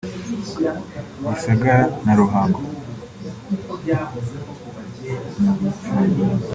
Gisagara na Ruhango